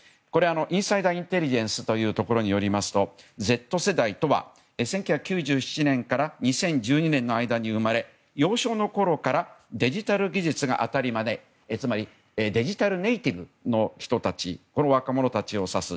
インサイダー・インテリジェンスというところによりますとＺ世代とは、１９９７年から２０１２年の間に生まれ幼少のころからデジタル技術が当たり前つまり、デジタルネイティブの人たちの若者たちを指す。